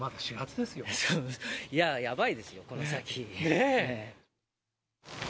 そう、いや、やばいですよ、この先。